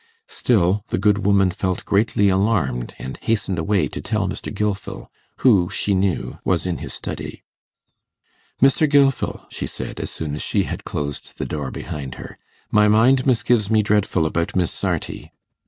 Still the good woman felt greatly alarmed, and hastened away to tell Mr. Gilfil, who, she knew, was in his study. 'Mr. Gilfil,' she said, as soon as she had closed the door behind her, 'my mind misgives me dreadful about Miss Sarti.